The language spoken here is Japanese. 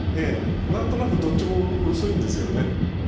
何となくどっちも薄いんですよね。